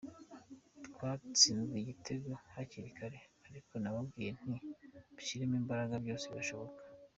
Twatsinzwe igitego hakiri kare ariko nababwiye nti mushyiremo imbaraga byose birashoboka.